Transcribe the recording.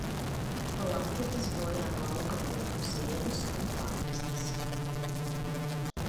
Laputis bojā lauka pupu ziedus un pākstis.